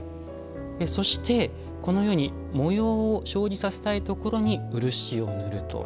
そしてこのように模様を生じさせたいところに漆を塗ると。